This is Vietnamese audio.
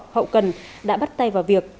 hậu cần đã bắt tay vào việc